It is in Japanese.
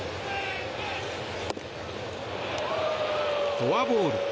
フォアボール。